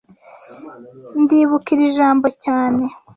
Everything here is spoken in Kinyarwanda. Ndibuka iri jambo cyane